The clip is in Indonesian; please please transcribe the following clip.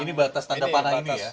ini batas tanda panah ini ya